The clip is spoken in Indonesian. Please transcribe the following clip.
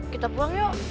kita pulang yuk